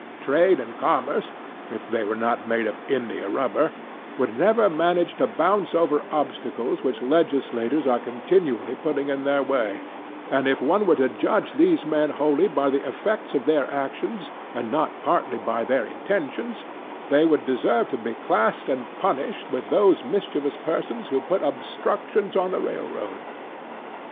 Trade and commerce, if they were not made of India rubber, would never manage to bounce over obstacles which legislators are continually putting in their way; and, if one were to judge these men wholly by the effects of their actions, and not partly by their intentions, they would deserve to be classed and punished with those mischievous persons who put obstructions on the railroads.